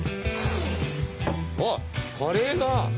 あっカレーが。